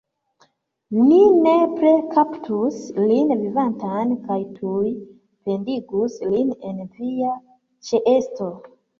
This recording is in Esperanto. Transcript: Ni nepre kaptus lin vivantan kaj tuj pendigus lin en via ĉeesto!